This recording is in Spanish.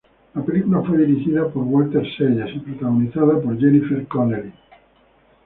La película fue dirigida por Walter Salles, y protagonizada por Jennifer Connelly.